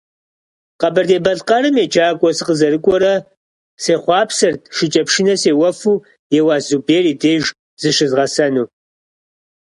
Къэбэрдей-Балъкъэрым еджакӀуэ сыкъызэрыкӀуэрэ сехъуапсэрт шыкӀэпшынэ сеуэфу Еуаз Зубер и деж зыщызгъэсэну.